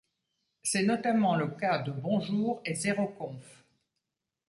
C'est notamment le cas de Bonjour et ZeroConf.